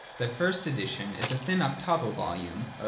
The first edition is a thin octavo volume of pp.